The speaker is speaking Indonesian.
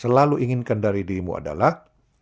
selalu inginkan dari dirimu adalah